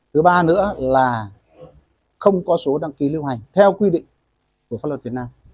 thứ ba nữa là không có số đăng ký lưu hành theo quy định của pháp luật việt nam